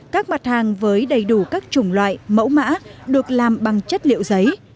các mặt hàng với đầy đủ các chủng loại mẫu mã được làm bằng chất liệu giấy